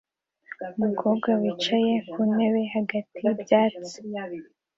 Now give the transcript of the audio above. Umukobwa wicaye ku ntebe hagati y'ibyatsi